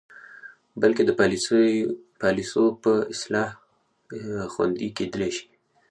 بلکې د پالسیو په اصلاح خوندې کیدلې شي.